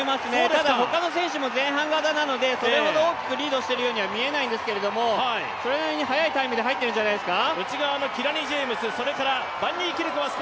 ただ、ほかの選手も前半型なので、それほど大きくリードしているようには見えないんですけれどもそれなりに速いタイムで入ってるんじゃないですか。